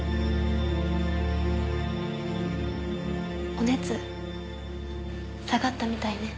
お熱下がったみたいね。